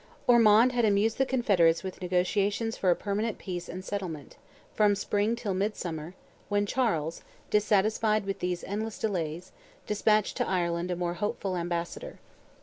Ormond had amused the Confederates with negotiations for a permanent peace and settlement, from spring till midsummer, when Charles, dissatisfied with these endless delays, despatched to Ireland a more hopeful ambassador.